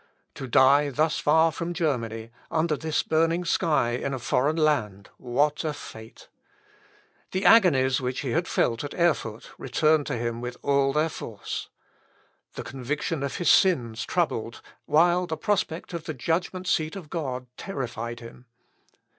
To die thus far from Germany, under this burning sky in a foreign land, what a fate! The agonies which he had felt at Erfurt returned with all their force. The conviction of his sins troubled, while the prospect of the judgment seat of God terrified him.